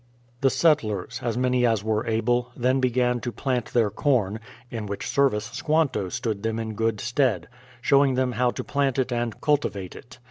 The settlers, as many as were able, then began to plant 8#> THE PLYMOUTH SETTLEMENT 85 their corn, in which service Squanto stood them in good stead, showing them how to plant it and cultivate it.